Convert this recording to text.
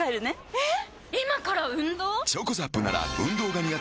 えっ？